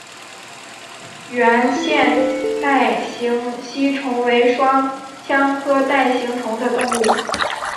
圆腺带形吸虫为双腔科带形属的动物。